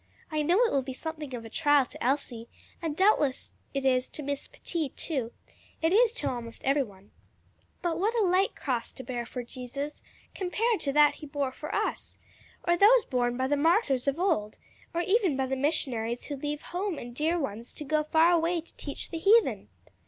"I know it will be something of a trial to Elsie, and doubtless it is to Miss Pettit too it is to almost every one: but what a light cross to bear for Jesus compared to that he bore for us or those borne by the martyrs of old; or even by the missionaries who leave home and dear ones to go far away to teach the heathen!